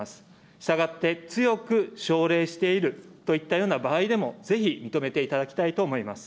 したがって、強く奨励しているといったような場合でも、ぜひ認めていただきたいと思います。